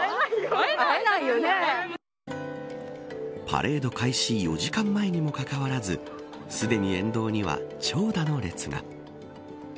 パレード開始４時間前にもかかわらずすでに沿道には長蛇の列が。